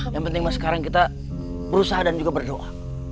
yang penting mas sekarang kita berusaha dan juga berdoa